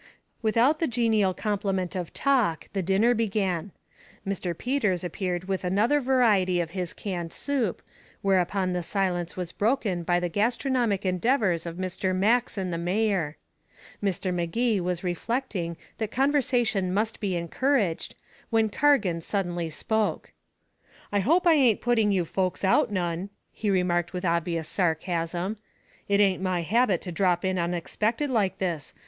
Without the genial complement of talk the dinner began. Mr. Peters appeared with another variety of his canned soup, whereupon the silence was broken by the gastronomic endeavors of Mr. Max and the mayor. Mr. Magee was reflecting that conversation must be encouraged, when Cargan suddenly spoke. "I hope I ain't putting you folks out none," he remarked with obvious sarcasm. "It ain't my habit to drop in unexpected like this.